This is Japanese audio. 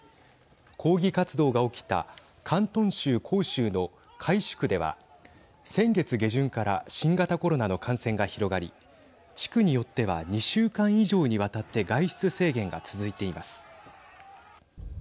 抗議活動が起きた広東省広州の海珠区では先月下旬から新型コロナの感染が広がり地区によっては２週間以上にわたって外出制限が続いています。